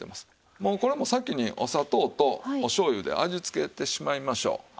もうこれも先にお砂糖とお醤油で味付けてしまいましょう。